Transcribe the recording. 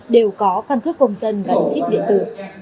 đều có cân cước công dân gắn chip điện tử